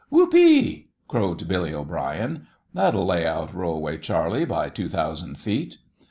"Whoopee!" crowed Billy O'Brien, "that'll lay out Rollway Charley by two thousand feet!"